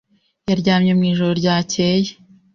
Yaryamye mu ijoro ryakeye. )